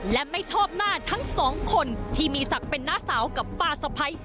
และไม่ชอบหน้าทั้งสองคนที่มีศักดิ์เป็นน้าสาวกับป้าสะพ้าย